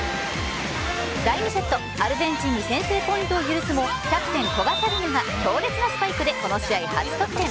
第２セット、アルゼンチンに先制ポイントを許すもキャプテン・古賀紗理那が強烈なスパイクでこの試合初得点。